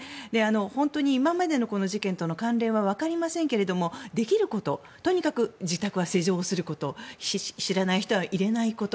本当に今までの事件との関連はわかりませんができることとにかく自宅は施錠をすること知らない人は入れないこと